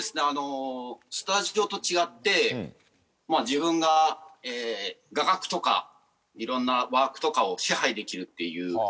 あのスタジオと違って自分が画角とか色んなワークとかを支配できるっていう。